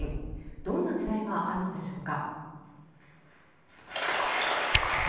どんな狙いがあるのでしょうか。